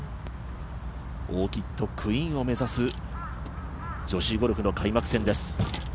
オーキッドクイーンを目指す女子ゴルフの開幕戦です。